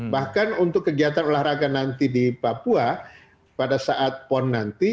bahkan untuk kegiatan olahraga nanti di papua pada saat pon nanti